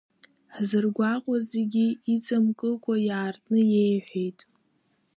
Ҳзыргәаҟуаз зегьы иҵамкыкәа иаартны иеиҳәеит.